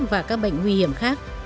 và các bệnh nguy hiểm khác